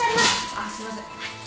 あっすいません。